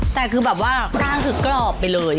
แต่คือแบบว่าร่างคือกรอบไปเลย